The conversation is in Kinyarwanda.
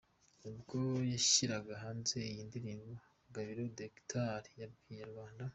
Ubwo yashyiraga hanze iyi ndirimbo Gabiro The Guitar yabwiye Inyarwanda.